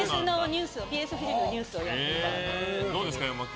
ＢＳフジのニュースをやっていたので。